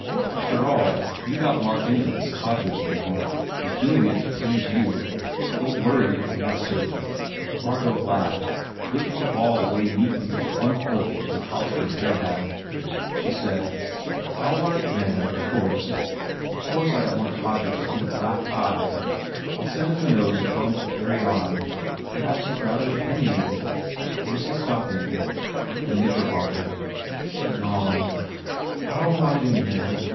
After all, you got Mark into this Todgers thing. He s do ing it.to please you. He ll worry if he has to " Margot laughed, whipped the ball away neatly with one foot and tossed her hair back. She said, "I ll write Rand, of course. Of course I don t want Todgers to get a black eye. I ll send him a note and tell him to carry on. Per haps he s rather opinionated. Where s he stop ping?" "The Knickerbocker." She yawned, "I ll write him, then.